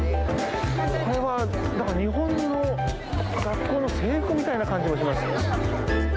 これは日本の学校の制服みたいな感じもします。